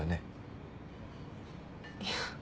いや。